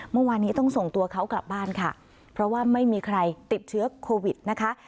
เมื่อวานนี้ต้องส่งตัวเขากลับบ้านค่ะเพราะว่าไม่มีใครติดเชื้อโควิดนะคะ